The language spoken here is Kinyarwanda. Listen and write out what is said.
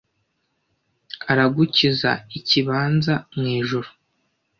Aragukiza ikibanza mwijuru.